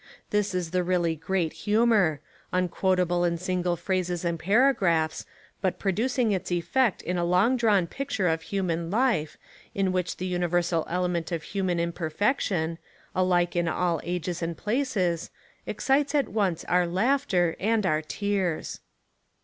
This is the really great humour — unquotable in single phrases and paragraphs, but producing its ef fect in a long drawn picture of human life, In which the universal element of human Imper fection — alike In all ages and places — excites at once our laughter and our tears.